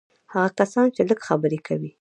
هغه کسان چې لږ خبرې کوي.